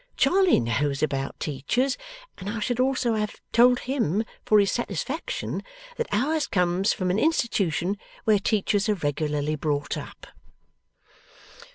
Charley knows about teachers, and I should also have told him, for his satisfaction, that ours comes from an institution where teachers are regularly brought up.